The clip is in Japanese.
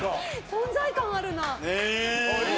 存在感あるな。